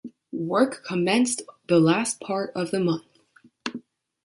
Work commenced the last part of the month.